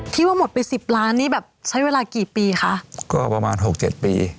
ที่ว่าหมดไปสิบล้านนี่แบบใช้เวลากี่ปีคะก็ประมาณหกเจ็ดปี